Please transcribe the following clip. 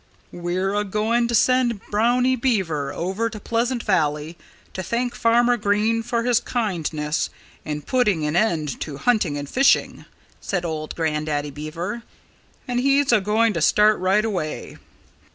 "We're a going to send Brownie Beaver over to Pleasant Valley to thank Farmer Green for his kindness in putting an end to hunting and fishing," said old Grandaddy Beaver. "And he's a going to start right away."